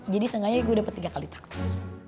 jadi seenggaknya gue dapet tiga kali takdir